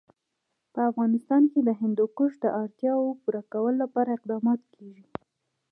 په افغانستان کې د هندوکش د اړتیاوو پوره کولو لپاره اقدامات کېږي.